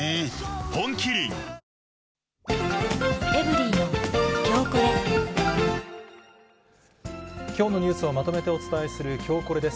本麒麟きょうのニュースをまとめてお伝えするきょうコレです。